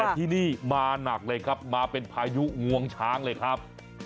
แต่ที่นี่มาหนักเลยครับมาเป็นพายุงวงช้างเลยครับ